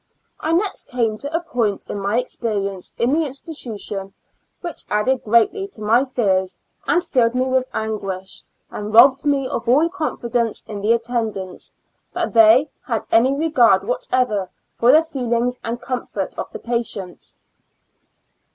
I next came to a point in my experience in 56 Two Years and Four Months the institution which added greatly to my fears, and filled me with anguish, and rob bed me of all confidence in the attendants, that they had any regard whatever for the feelings and comfort of the patients.